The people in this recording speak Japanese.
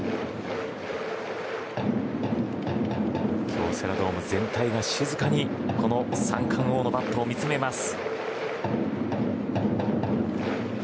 京セラドーム全体が静かに三冠王のバットを見つめます。